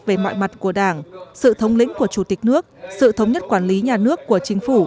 về mọi mặt của đảng sự thống lĩnh của chủ tịch nước sự thống nhất quản lý nhà nước của chính phủ